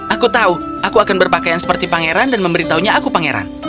aku tahu aku akan berpakaian seperti pangeran dan memberitahunya aku pangeran